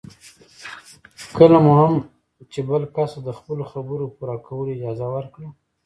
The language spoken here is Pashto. کله مو هم چې بل کس ته د خپلو خبرو پوره کولو اجازه ورکړه.